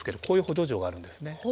こういう補助錠があるんですね。